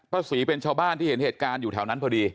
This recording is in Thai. ศรีเป็นชาวบ้านที่เห็นเหตุการณ์อยู่แถวนั้นพอดี